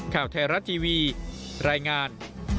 ข่าวไทยรัฐทีวีรายงาน